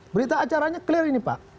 berita acaranya clear ini pak